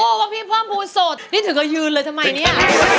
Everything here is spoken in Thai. ว่าพี่เพิ่มภูมิโสดนี่ถึงก็ยืนเลยทำไมเนี่ย